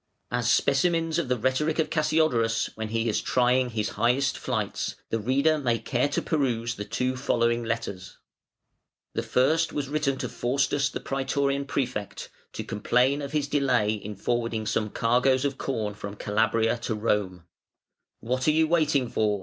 As specimens of the rhetoric of Cassiodorus when he is trying his highest flights, the reader may care to peruse the two following letters. The first was written to Faustus the Prætorian Prefect, to complain of his delay in forwarding some cargoes of corn from Calabria to Rome: [Footnote 91: Var., i., 35.] "What are you waiting for?"